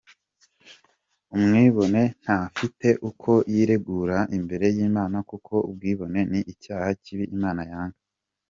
Umwibone ntafite uko yiregura imbere y’Imana kuko ubwibone ni icyaha kibi Imana yanga.